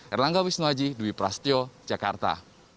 erlangga wisnuwaji dewi prasetyo jakarta